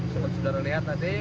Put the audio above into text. seperti sudah dilihat tadi